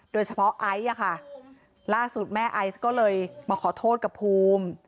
โดยเฉพาะไอซ์อะค่ะล่าสุดแม่ไอซ์ก็เลยมาขอโทษกับภูมิ